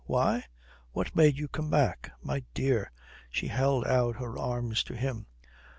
Why? What made you come back?" "My dear!" She held out her arms to him.